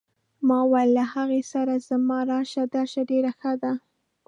ما وویل له هغې سره زما راشه درشه ډېره ښه ده.